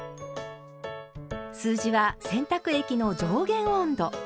数字は「洗濯液の上限温度」。